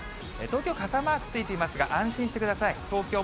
東京、傘マークついていますが、安心してください。